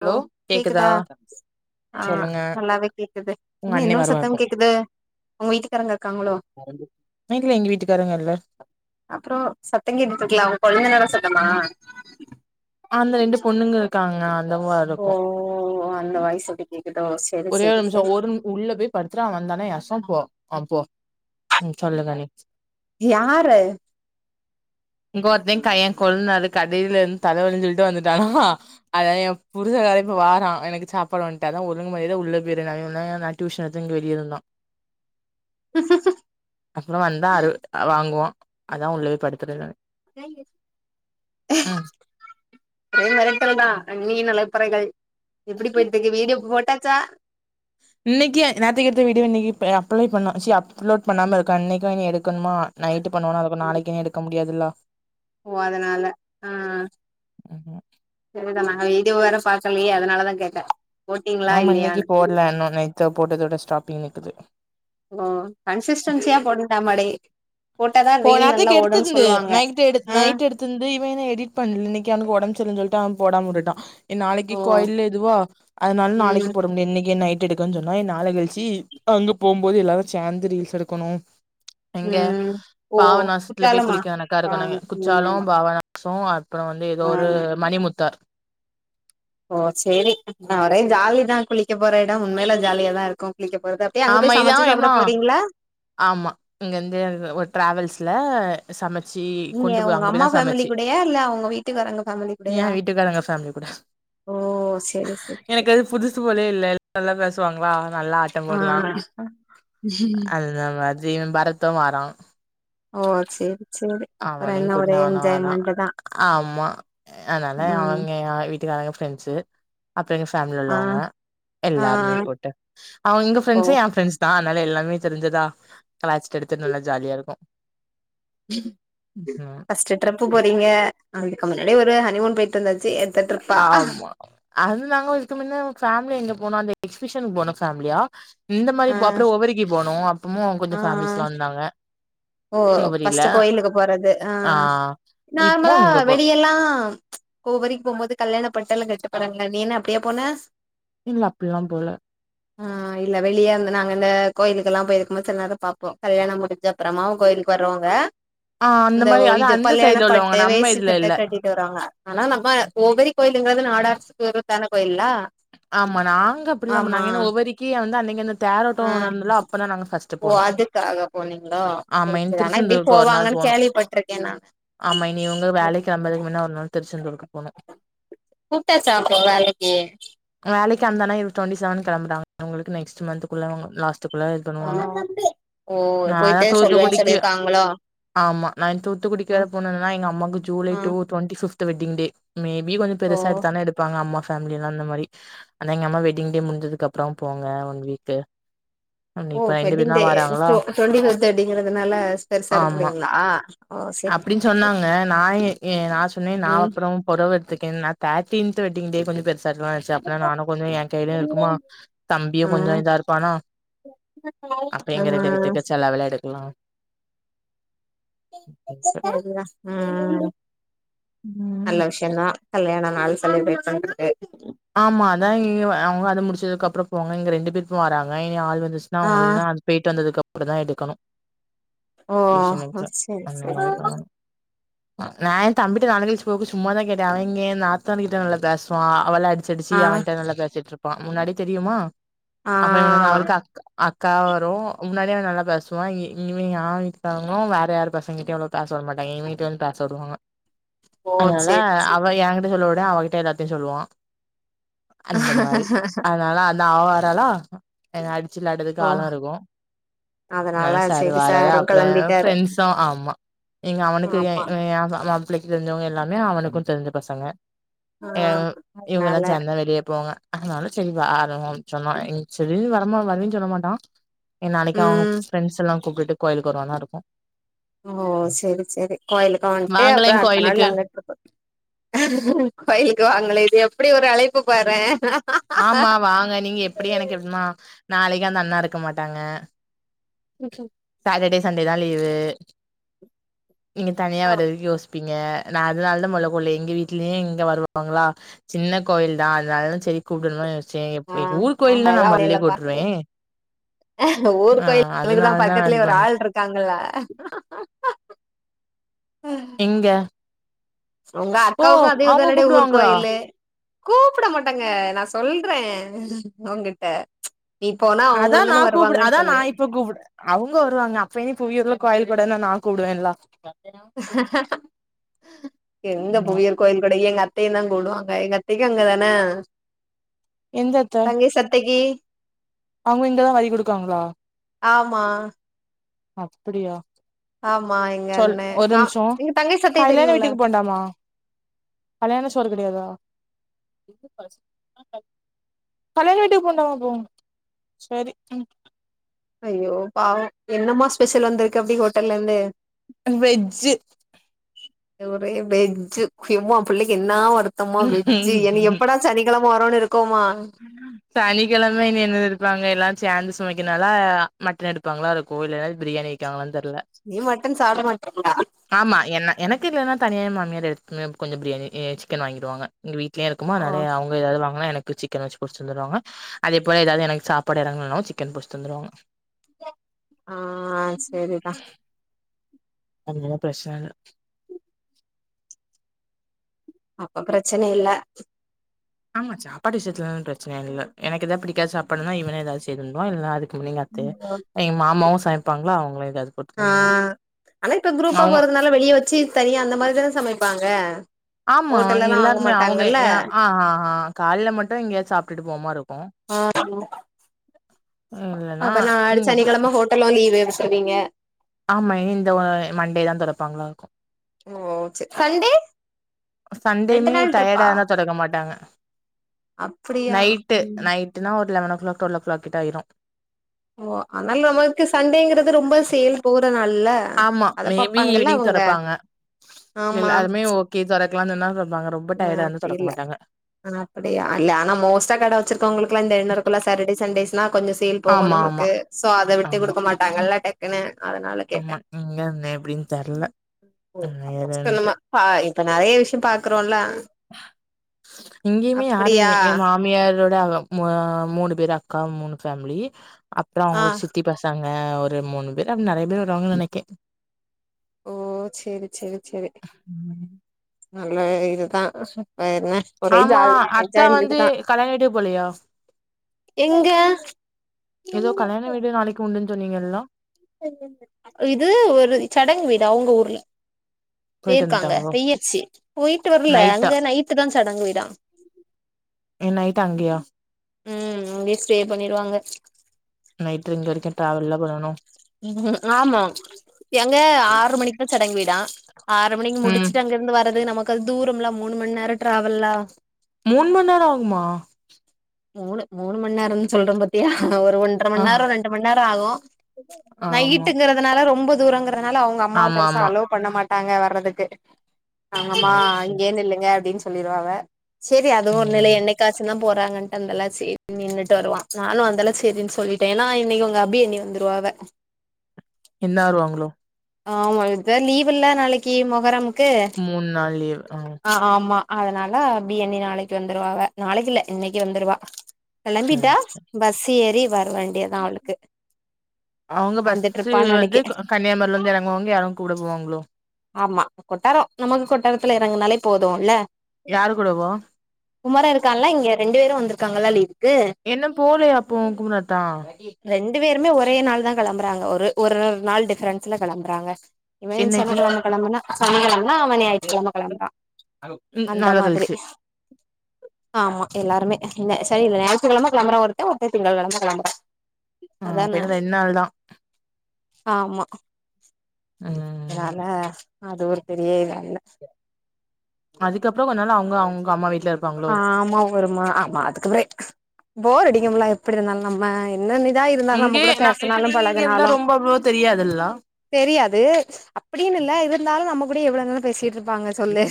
Hello கேக்குதா ஆ சொல்லுங்க நல்லாவே கேக்குது உங்க இன்ன அண்ணே இன்னொரு வருவா சத்தோ கேக்குது உங்க வீட்டுக்காரங்க இருக்காங்க ல்ல எங்க வீட்டுக்காரங்க வர்ல அப்புறோ சத்தங்கேட்டுட்ருக்கே அவுங்க கொழுதனாரோ சத்தமா அந்த ரெண்டு பொண்ணுங்க இருக்காங்க அதுவா இருக்கு ஓ அந்த வாய்ஸ் அப்டி கேக்குதோ செ ஒரே ஒரு நிம்ஷோ ஒரு ம் ம் சொல்லுங்கண்ணி யாரு இங்க ஒருத்தைங் கைய கொழ்னாரு கடைல இருந் தலவலின் சொல்ட்டு வந்துட்டானா அதா எ புருச கார இப்ப வாரா எனக்கு சாப்பாடு வாய்ங்ட்டு அத்தா ஒரு ஒழுங்கு மரியாதையா உள்ள பேய்ரு நாங்கனா நா டியூஷன்ல தூங்கி வெளிய இருந்தா அப்புறோ வந்தாரு வாங்குவோ அத்தா உள்ளவே படுத்துருக்காங் ம் ஒரே நெரத்தல்தா நீர் நிலப்பறைகள் எப்டி போய்ட்ருக்கு வீடியோ போட்டாச்சா இன்னிக்கே நேத்துக்கெடுத்த வீடியோ இன்னிக்கு இப்பயா அப்ளை பண்ணு சி அப்லோட் பண்ணாம இருக்கா இன்னிக்கு வேர நீ எடுக்கணுமா நைட்டு பண்ணுவானா அதுக்கு நாளைக்குனே எடுக்க முடியாதுல்லா ஓ அதனால ஆ ம்ஹூம் செரிதா நாங்க வீடியோ வேற பாக்கலையே அதனாலதா கேட்டே போட்டீங்களா ஆமா இன்னிக்கி இல்லையான்னு போட்ல இன்னு நேத்து போட்டதோட ஸ்டாப்பிங் நிக்குது ஓ கன்சிஸ்டன்சியா போட்ணுன்டாமடே போ நேர்த்துக்கு எடுத்துக்குந்து நைட்டு எடுத் ஆ நைட் எடுத்துந்து இவ என்ன எடிட் பண்ல இன்னிக்கி அவனுகு ஒடம்செரிலன் சொல்ட்டு அவ போடாம உட்டுட்டா நாளைக்கி ஓ கோயில் எதுவோ அதனால ம் நாளைக்கு போட முடியு இன்னிக்கு நைட் எடுக்கன் சொன்னா நாளகழ்ச்சி அங்கு போம்போது எல்லாரு சேந்து ரீல்ஸ் எடுக்கணு ம் ஓ பாவநாஸ்துல போய் குற்றாலமா குளிக்க கணக்காருகு என்னங்க வாங்க குச்சாலு ம் பாவ சோ அப்றோ வந்து எதோ ஆ ஒரு மணிமுத்தார் ஓ சேரி நா ஒரே ஜாலிதா குளிக்க போற எடோ உண்மைல ஜாலியாதா இருக்கு குளிக்க போறது அப்டியே அங்க ஆமா போய் இதா சமச்சு சாப்பட எவ்ளோ போறீங்ளா ஆமா இங்க வந்து ஒரு ட்ராவல்ஸ்ல சமச்சு நீங்க கொண்டு போ உங்க அங்க அம்மா போய்தா ஃபேமிலி சமச்சு கூடயா இல்ல உங்க வீட்டுக்காரங்க ஃபேமிலி ஏ கூடயா வீட்டுக்காரங்க ஃபேமிலிகூட ஓ செரி செரி எனக்கு அது புதுசு போலயே இல்ல எல் நல்லா பேசுவாங்ளா நல்லா ஆ இல்ல மதியோ பரத்து வரா ஓ சேரி சேரி அப்பறோ அவனையும் என்ன கூட்டு ஒரே நானும் வரான் என்ஜாய்மெண்ட்டுதா ஆமா அதனால அவுங்க வீட்டுக்காரங்க ஃப்ரெண்ட்ஸு அப்பறோ எங்க ஃபேமிலில ஆ உள்ளவங்க ஆ எல்லாருமே போட்டு அவுங்க எங்க ஓ ஃப்ரெண்ட்ஸ் எ ஃப்ரெண்ட்ஸு தா அதனால எல்லாமே தெரிஞ்சிதா கலாச்சிட்டு எடுத்துட் நல்லா ஜாலியா இருக்கு ம் ஃபஸ்ட் டிரம்ப்பு போறீங்க அதுக்கு முன்னாடி ஒரு ஹனிமூன் போயிட்டு வந்தாச்சு எத்த ட்ரிப்பா ஆ ஆமா அதுந்து நாங்க அதுக்கு முன்ன ஃபேமிலி எங்க போனோ அந்த எக்ஸிபிஷனுக்கு போனோ ஃபேமிலியா இந்த மாரி ஆ [unintelligible] போனு அப்பமு அவங்க கொஞ்சோ ஆ பேமிலீஸ்லா வந்தாங்க ஓ உவரில பர்ஸ்ட்டு கோயிலுக்கு போறது ஆ இப்போ நார்மலா இங்க போறோ வெளியெல்லா ச் ஓவரிக்கு போபோது கல்யாண பண்ட்டாலு கெட்டு போறாங்களா நீ என்ன அப்டியா போன இல்ல அப்பல்லா போல ஆ இல்ல வெளிய இந்த நாங்க இந்ந கோயிலுக்குலா போயிருக்குபோது சில நேரொ பாப்போ கல்யாணோ முடிஞ்சா அப்பறமாவு கோயிலுக்கு வரவங்க ஆ அந்த இந்த மாரி ஒ அதா இது அந்த பல்யாண சைட்ல உள்ளவங்க பட்டு நம்ம வேஸ்ட்டி இதுல சட்ட இல்ல கட்டிட் டுவறாங்க அனா நம்ம ஓவரி கோயில்ங்கறது நாடார்ஸ் [inaudible] கோயில்லா ஆமா நாங்க அப்டிலா பண் நாங்க என்ன ஒவ்வரிக்கி [unintelligible] அ ஓ அதுகாக போனீங்களா ஆமா செரி இன் செரி அனா இப்டி திருச்செந்தூருக்கு ஒரு நாள் போவாங்கனு போனோ கேள்விபட் ருக்க நானு ஆமா இனி உங்க வேலைக்கு அம்பதுக்கு முன்னா ஒரு நாள் திருச்செந்தூருக்கு போனு கூப்ட்டாச்சா அப்போ வேலைக்கி வேலைக்கு அந்தண்ணா யூ எஸ் டுவெண்டி செவன் கெளம்பறங்க அவுங்களுக்கு நெக்ஸ்ட் மந்த்குள்ள அவுங்க லாஸ்ட்டு ஃபுல்லா இது பண்ணுவாங்க ஆ ஓ நாலா போயிட்டு சொல்லுவேன்னு தூத்துக்குடிக்கு தூத்துகுடிக்கி சொல்லியிருக்காங்களோ ஆமா நா தூத்துக்குடிக்கு வேற ம் போனனா எங்க அம்மாக்கு ஜூலை ஆ two twenty fifth wedding day maybe கொஞ்சொ ஓ பெருசா எடுதாலு எடுப்பாங்க அம்மா ஃபேமிளிலா அந்த மாரி அனா எங்க அம்மா வெட்டிங் டே முடிஞ்சதுக்கு அப்பறோ போங்க ஒன் வீக்கு ஓ இப்ப ரெண்டு பேர் வெட்டிங் தா டே வராங்களா டு டுவெண்ட்டி [unintelligible] வெட்டிங்கறதுனால பெருசா எடுக்கறீங்களா அப்டின் சொன்னாங்க நா ஏ எ நா சொன்னே நா ம் அப்பறோ பொடவ எடுத்துக்கன் நா தேர்டீன்த் வெட்டிங் டே கொஞ்சோ பெருசா [unintelligible] செர் அப்பனா நானு கொஞ்சோ எ கையிலயு இருக்குமா தம்பியு கொஞ்சோ ம் இதா இருப்பானா அப்ப எங்க ரெண்டு ம் பேத்துக்கு செல்லவலே எடுக்கலா எல்லா ம் நல்ல ம் விஷயோ தா கல்யாண நாள் [unintelligible] ஆமா அதா இங்க அவங்க அத முடிச்சதுக்கு அப்பறோ போங்க இங்க ரெண்டு பேருக்கு வராங்க இனி ஆள் வந்துச் நா ஆ உங்கள்னா அது போயிட்டு வந்ததுக்கப்டி தா எடுக்கணு ஓ ஒ டியூஷனுக்கு சேரி அந்த சேரி மாரி சேரி பண்ணணு நா எ தம்பிட்ட நாள கழிச்சு போக்கு சும்மதா கேட்டே அவுங்க நாத்தனார்கிட்டல பேசுவா அவள அடிச்சு அடிச்சி ஆ அவன்ட நல்லா பேசிட்ருப்பா முன்னாடி தெரியுமா ஆ அப்ப அவனுக்கு அவளுக்கு அக்கா அக்கா வரு முன்னாடியே அவ நல்ல பேசுவா இனி இனிமே [unintelligible] வேற யாரு பசங்கிட்டயோ அவ்ளோ பேச உட மாட்டாயீங்க எங் வீட்டு வந்து பேச உடுவாங்க ஓ அதனால செரி செரி அவ ஏங்கிட்ட சொல்ல விட அவகிட்ட எல்லாத்தையு சொல்லுவா அந்த மாதிரி அதனால அந்த ஆவாரலா அடிச்சு வெளாடுறதுக்கு ஓ ஆளோ இருக்கு அதனால நல்ல சார் செரி வாராரு சாரும் அப்பறோ கெளம்பிட்டாரு ஃப்ரெண்ட்ஸு ஆமா நீங்க அவனுக்கு எ ஆமா எ மாப்பிள்ளைக்கு தெரிஞ்சவங்க எல்லாமே அவனுக்கு தெரிஞ்ச பசங்க ஆ அ இவங்கல்லா அதனால சந்த வெளிய போங்க அதனால சரிவா ஆ சொன்னா செரின்னு வரமா வரீன்னு சொல்ல மாட்டா எ நாளைக்கு அவங்க ம் ஃப்ரெண்ட்ஸ் எல்லா கூப்டுட்டு கோயிலுக்கு வருவானா இருக்கு ஓ சேரி சேரி கோயிலுக்கு வந்ட்டு வாங்களே அப்றோ அடுத்த நாள் கோயிலுக்கு [unintelligible] கோயிலுக்கு வாங்களே இது எப்டி ஒரு அழைப்பு பாறே ஆமா வாங்க நீங்க எப்டி எனக்கு எப்னா நாளைக்கி அந்த அண்ணா இருக்க மாட்டாங்க ம் ம் சாட்டர்டே சண்டே தா லீவு நீங்க தனியா வர்றதுக்கு யோஸ் பீங்க நா அதனால தா முல்லக்குலே எங்க வீட்லயு இங்க வருவாங்ளா சின்ன கோயில் தா அதனால செரி கூப்டனுமா யோஸ் ஆ ஆமா அதல ஒன்னு இல்ல பாத்துக்குவோ ஊரு ஆ கோயில் அதுகுதா அதனால தா பக்கத்துலே இது ஒரு பண்ணே ஆள் இருக்காங்கள்ள இங்க உங்க அக்காவுக்கு அதே ஊர்தானடி ஊர் கூப்டுவாங்களா கோயிலு கூப்ட மாட்டாங்க நா சொல்றே உங்கிட்ட நீ போனா அதா நா அவங்களுந்தான கூப்டு வருவாங்கன் அதா நா சொன்னே இப்ப கூப்டு அவுங்க வருவாங்க அப்ப நீ பூவியுருள கோயில கொடனா நா கூப்டுவேன்ல எங்க ஆ புவியூர் கோயில் கொட எங்க அத்தையையு தா குப்டுவாங்க எங்க அத்தைக்கு அங்கதானே எந்த தங்கேஸ் அத்தைக்கி அவுங்க இங்கதா வரி குடுக்காங்ளா ஆமா அப்டியா ஆமா எங்க சொல் அண்ணே ஒரு கா நிமிஷோ எங்க தங்கை சட்டை கல்யாண தெரியும்ல வீட்டுக்கு போண்டாமா கல்யாண சோறு கெடையாதா கல்யாண வீட்டுக்கு போண்டமா அப்போ செரி ம் அய்யோ பாவோ என்னமா ஸ்பெஷல் வந்திருக்கு அப்டி ஹோட்டல்ல இருந்து வெஜ் ஒரே வெஜ் [unintelligible] பிள்ளைக்கி என்னா வரு த்தமா வெஜ்ஜி எனக்கி எப்படா சனிக்கிழம வரோன்னு இருக்கோமா ம் சனிக்கிழம இனி என்னது எடுப்பாங்க எல்லா சேந்து சமைக்கனால மட்டன் எடுப்பாங்ளா இருக்கு இல்லனா பிரியாணி வக்காங்ளா தெர்ல நீ மட்டன் சாப்ட மாட்டங்ளா ஆமா என்ன எனக்கு இல்லைனா தனியாக மாமியார் எடுத்து கொஞ்ச பிரியாணி சிக்கன் வாங்கிருவாங்க எங்க வீட்லே இருக்குமா ஓ நானு அவுங்க ஏதாவது வாங்னா எனக்கு சிக் கன் வச்சுட பொறுச்சு தந்துருவாங்க அதே போல எதது எனக்கு சாப்பபாடு இறங்கனாலு சிக்கன் பொறிச் தந்துருவாங்க அஅ செரித அதனால பிரச்சன இல்ல அப்ப பிரச்சன இல்ல ஆமா சாப்பாடு விஷயத்லலா பிரச்சன இல்ல எனக்கு எதாவது பிடிக்காத சாப்பாடுன இவனே ஏதாவது செய்து தந்தருவா இல்ன அதுக்கு முன்ன எங்க அத்த ம். எங்க மாமாவு சமைப்பாங்ளா அவங்களு ஏதாது போட்டு ஆ தந்துருவாங்க ஆனா இப்ப குரூப்பா அவுங் போறதுனால வெளிய வச்சு தனியா அந்த மாரி தானே சமைப்பாங்க ஆமா ஹோட்டல்லல்லா வாங்க எல்லாருமே அவுங்க மாட்டாங்கல்ல ஆ ஹ ஹ கால்ல மட்டு எங்கயாசு சாப்ட்டு போறா மாரி இருக்கு ஆ [unintelligible] இல்லன்னா அப்ப நா அடுத் இங்க அப்டி சனிக்கிழம ஹோட்டல்லு லீவு விட்ருவீங்க ஆமா இந்த மண்டே தா தொறப்பாங்ளா இருக்கு ஓ சேர் சண்டே ரெண்டு சண்டேமே நாள் டயர்டா ட்ரிப்பா இருந்த தொடக்க மாட்டாங்க அப்டியா நைட்டு ம் நைட் ட்டுனா ஒரு eleven o'clock twelve o'clock கிட்ட ஆயிரு ஓ அத்னால் நம்மளுக்கு சண்டேங்கறது ரொம்ப சேல் போற நாள்ல ஆமா அத மேபி பாப்பாங்கல்ல ஈவினிங் அவங்க தொறப்பாங்க ஆமா எல்லாருமே ஒ கே தொறக்லானுன்னா தொறப்பாங்க ரொம்ப டயடா இருந்தா தொறக்க மாட்டாங்க ஆ அப்படியா இல்ல ஆனா மோஸ்டா கட வெச்சிருக்கவுங்களுகுலா இந்த எண்ணோ ருக்குல்ல சேட்டடே சண்டேஸ்னா கொஞ்ச சேல் போகு ஆமா, ஆமா, நமக்கு சோ அத விட்டு ஆமா, குடுக்கமாட்டாங்கல்ல ட க்குனு அதனால கேட்டே ஆமா. இங்க எப்டின்னு தெர்ல. ஏதுன்ட்டு. [inaudible] பா இப்ப நெறைய விஷயு பாக்குறோன்ல இங்கேய்மே யாரு எ ஏ மா மியாரோட ஆ மூ மூணு பேரு அக்கா மூணு ஃபேமிலி அப்றோ ஆ அவங்களோட சித்தி பசங் தங்க ஒரு மூணு பேரு அப் நெறைய பேரு வருவாங்க நெனைக்கே ஓ செரி செரி செரி ம். நல்ல இதுதா வேர்ன ஒரே ஆமா, ஜாலி தா அத்தா வந்து என்ஜாய்மென்டுதா கல்யாண வீட்டுக்கு போலையா? எங்க கு உண்டுன் சொன்னீங்கல்லா இது ஒரு சடங் வீடு அவுங்க ஊர்ல போயிட்டு பேயிருக்காங்க வந்துட்டாங்களோ? [unintelligible] போயிட்டு வரல அங்க நைட்டா? நைட்டு தா சடங்கு வீடா இன் நைட்டு அங்கியா ம் அங்கயே ஸ்டே பண்ணிருவாங்க நைட்டு இங்க இருக்கே ட்ராவல்ல பண்ணணு ஆமா அங்க ஆறு மணிக்தா சடங்கு வீடா ஆறு மணிக்கு ம். முடிச்சுட்டு அங்கருந்து வரது நமக் கல் தூரம்ல மூணு மண் நேர ட்ராவல்ல மூண் மணி நேர ஆகுமா மூணு மூணு மண் நேரன் சொல்ற பாத்தியா ஒரு ஒன் ட்ற ஆ. மண்நேரோ ரெண்டுமண்நேரோ ஆகு ஆமா, நைட்டுங்கிறதுனால ரொம்ப தூரங்க றதனால அவுங்க அம்மாவு பெருசா ஆமாமா. அலோவ் பண்ண மாட்டாங்க வர்றதுக்கு அவுங்கம்மா சரி, சரி. இங்கியே நில்லுங்க அப்டின் சொல்லிருவாவ செரி அதுவு ஒர் நிலை ம் என்னைக்காச்சு தா போறாங்கன் அந்தெல்லா சேரின் நின்னுட் வருவான் நானு அந்தெல்லா செரின் சொல்லிட்டே ஏனா இன்னைக்கு உங்க அபி அண்ணி வந்துருவாவ என்னாருவாங்களோ ஆமா இத்தா லீவுலா நாளைக்கி மொகரமுக்கு மூணு நாள் லீவ் ஆ அ ஆமா அதனால அபி அண்ணி நாளைக்கு வந்துருவாவ நாளைக்கில்ல இன்னைக்கி வந்துருவா கெளம்பிட்டா சேரி சேரி பஸ் ஏறி வர வேண்டியதா அவளுக்கு அவுங்க வந்துட்ருப்பான்னு பஸ்ஸுவந்து நெனைக்கே க கன்னியாமுரிலந்து எறங்குவாங்க யாரு கூட போவாங்களோ ஆமா கொட்டாரோ நமக்கு கொட்டாரத்துல எறங்குனாலே போதுல்ல யாரு‌ கூடவோ குமர இருக்குறான்ல இங்க ரெண்டு பேரு வந்திருக்காங்கல்ல லீவுக்கு இன்னு போலையா அப்போ குமரனத்தா ரெண்டு பேருமே ஒரே நாள் தா கெளம்புறாங்க ஒரு ஒரு நாள் டிஃபரென்ஸ்ல கெளம்புறாங்க இவே என்னைக்கு சனிக்கெழம கெளம்புனா சனி கெழம னால அவ ஞாயிற்றுகெழம கெளம்புறா ம் அந்த நாள மாதிரி கழிச்சு ஆமா எல்லாருமே இல்ல செரி இல்ல ஞாயித்து கெழம கெளம்புறா ஒருத்தே ஒருத்தே திங்ககெழம கெளம்புறா ஆ அப்ப அதான இன்னு ரெண்டு நாள் தா ஆமா அ அதனால அது ஒரு பெரிய இதா இல்ல அதுக்கப்றோ கொஞ்நாள் அவுங்க அவுங்க அம்மா வீட்ல இருப் ஆமா ஒருமா ஆமா அதுக்குப்புறே போர் அடிக்கும்ல எப்டி இருந்தாலு நம்ம என்னென்னிதா இருந்தாலு நம்ம இங்கே கூட நா இப்ப பேசுனாலு நீங்க இங்க இருந்தா பழகுனாலு ரொம்ப அவ்ளோ தெரியாதுல்ல தெரியாது அப்டின்னு இல்ல இருந்தாலு நம்ம கூட எவ்ளோ நேரோ பேசிட்டு இரு ப்பாங்க சொல்லு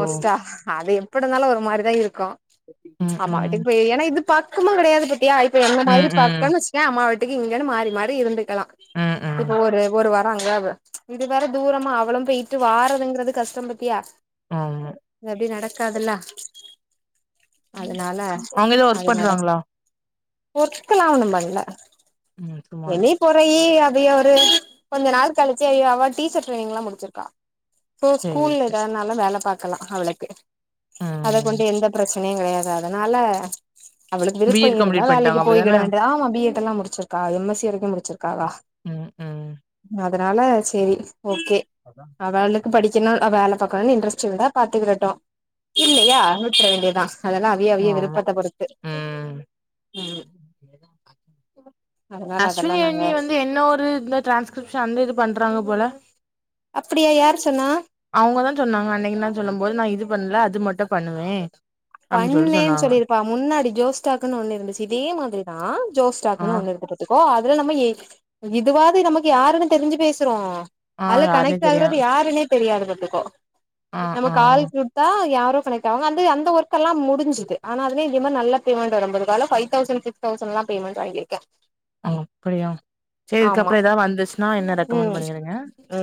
ஓ அது எப்டி இருந்தாலு ஒரு மாரிதா இருக்கு ம் ஆமா ம் வீட்டுக்கு போய் ஏன்னா இது பக்கமா கிடையாது பாத்தியா இப்ப என்ன ம் மாரி பக் ம் கன்வச்சிக்க அம்மா வீட்டுக்கு இங்கன்னு மாறி மாறி இருந்துக்கலா ம் ம் இப்போ ஒரு ஒரு வாரோ அங்க இது வேற தூரமா அவளு போயிட்டு வாரறதுங்கறது கஷ்டம் பத்தியா ஆ அது அப்டி நடக்காதுல்லா அவங்க ஏதோ ஒர்க் அது நட பண்றாங்களா ஒர்க்லா ஒண்ணு பண்ல ம் சும்மாதா வெளி குறையி அதைய ஒரு கொஞ்ச நாள் கழிச்சி ஐயோ அவ டீச்சர் ட்ரைனிங்லா முடிச்சிருக்கா சோ சேரி ஸ்கூல்ல சேரி ஏதானாலு வேல பாக்கலா அவளுக்கு அத ம் கொண்டு எந்த பிரச் கிடையாது அதனால அவளுக்கு பி விருப்போ எட் இருந்தா கம்ப்ளீட் வேலைக்கு பண்ட்டாங்க அப்டிதான போய்கிட வேண்டியது ஆமா பி ஏ எல்லா முடிச்சிருக்கா எம் எஸ் சி வரைக்கு முடிச்சிருக்காலா ம் ம் அதனால செரி ஓகே அவளுக்கு படிக்கணு வேல பாக்கணும்னு இன்ட்ரெஸ்ட் இருந்தா பாத்துக்கிறட்டு இல்லையா விட்ரவேண்டியதா அதெல்லா விய விய ஆமா விருப்பத்த பொருத்து ம் ம் [inaudible] அதனால அதெல்லா அஸ்வினி நாங்க அண்ணி வந்து என்ன ஒரு இந்த ட்ரான்ஸ்கிரிப்ஷன் அந்த இது பண்றாங்க போல அப்டியா யார் சொன்னா அவுங்கதா சொன்னாங்க அன்னைக்கு நா சொல்லு போது நா இது பண்ணல அது மட்டு பண்ணுவே அப்டின்னு சொல்லிட்டு பண்ணேன்னு சொன்னாங்க சொல்லிருப்பா முன்னாடி ஜோஸ்டாக்குன்னு ஒண்ணு இருந்துச்சு இதே மாதிரிதா ஆ ஜோஸ்டாக்னு ஒண்ணு இருந்தது ஓ அதுல நம்மயி இதுவாது நமக்கு யாருன்னு தெரிஞ்சு பேசுறோ ஆ அதுல யாருனே கனெக்ட் தெரியா ஆகுறது யாருன்னே தெரியாது பாத்துக்கோ ஆ நம்ம ஆ கால் தா யாரோ கனெக்ட் ஆவாங்க அது அந்த ஒர்க் எல்லா முடிஞ்சுது ஆனா அதில இவ நல்ல பேமெண்ட் வரும்போதுல பைவ் தௌசண்ட் சிக்ஸ் தௌசண்ட்லா பேமெண்ட் வாங்கிருக்கே அ அப்டியா செரி இதுக்கு அப்றோ ஏதாவது வந்துச்சுன்னா என்ன ரெக்கமெண்ட் ம் பண்ணிருங்க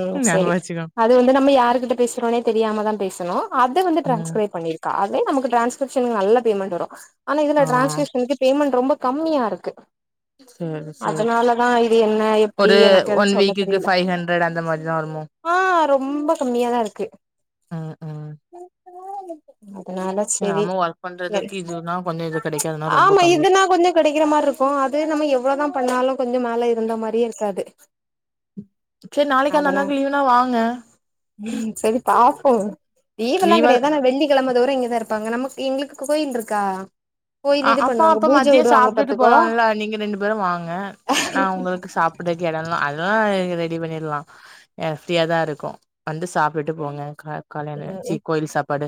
ம் செரி ஞாபகோ வச்சுக்கோ அது வந்து நம்ம யாருகிட்ட பேசுறோனே தெரியாம தா பேசுனோ அத வந்து ம் டிரான்ஸ்கிரய் பண்ணிருக்கா அத நமக்கு டிரான்ஸ்கிரிப்ஷன்க்கு நல்ல பேமெண்ட் வரும் ஆனா இதுல ஆ டிரான்ஸ்கிரிப்ஷனுக்கு பேமென்ட் ரொம்ப கம்மியா இருக்கு [inaudible] செரி செரி அதனாலதா இது என்ன எப்டி ஒரு எனக்கு அது ஒன் சொல்ல வீக்குக்கு தெரியல ஃபைவ் ஹன்ட்ரட் அந்த மாரி தா வருமோ ஆ ரொம்ப கம்மியாதா இருக்கு ம் ம் அதனால சரி நாம ஒர்க் பண்றதுக்கு இதுனா கொஞ்சோ இது கெடைக்காதுன்னா ரொம்ப ஆமா கம்மி இதுன்னா கொஞ்சோ கிடைக்கிற மாரி இருக்கு அது நம்ம எவ்வளவுதா பண்ணாலு கொஞ்சோ மேல இருந்த மாரியே இருக்காது செரி நாளைக்கி அந்த அண்ணாக்கு லீவுனா வாங்க ம் செரி பாப்போ லீவெல்லா லீவா கெடையாது ஆனா வெள்ளி கிழம தோறு இங்கதா இருப்பாங்க நமக்கு எங்களுக்கு கோயில் இருக்கா அ கோயில் இது அப்ப பண்ணுவாங்க அப்ப பூஜ மத்யோ விடுவாங்க சாப்பிட்டுட்டு பாத்துக்கோ போலால நீங்க ரெண்டு பேரு வாங்க நா உங்களுக்கு சாப் அங்க இருக்கு இடம்லா அதெல்லா ரெடி பண்ணிடலா அ ஃப்ரியாதா இருக்கோ வந்து சாப்டுட்டு போங்க காலைல சி கோயில் சாப்